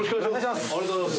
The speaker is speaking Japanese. ありがとうございます。